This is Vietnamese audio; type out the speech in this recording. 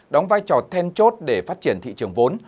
đóng vai trò then chốt để phát triển thị trường vốn